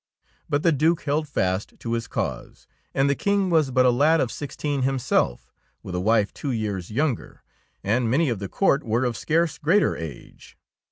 But the Due held fast to his cause, and the King was but a lad of sixteen himself with a wife two years younger, and many of the court were of scarce greater age.